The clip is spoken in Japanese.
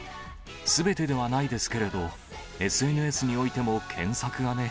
すべてではないですけれど、ＳＮＳにおいても検索がね。